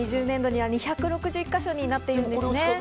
２０２０年度には２６１か所になっているんですね。